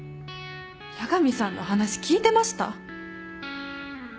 八神さんの話聞いてました？